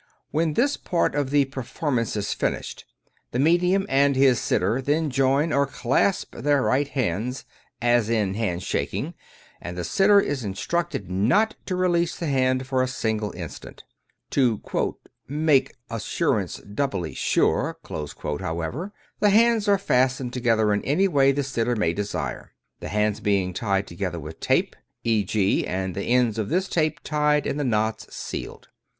When this part of the performance is finished, the medium and his sitter then join or clasp their right hands (as in handshaking), and the sitter is instructed not to release the hand for a single instant. To '^ make assurance doubly sure," however, the hands are fastened together in any way the sitters may desire ; the hands being tied together with tape, e, g,, and the ends of this tape tied and the knots sealed.